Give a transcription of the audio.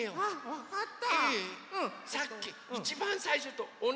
わかった。